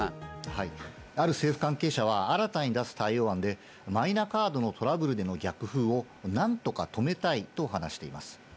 はい、ある政府関係者は新たに出す対応案で、マイナカードのトラブルでの逆風を何とか止めたいと話しています。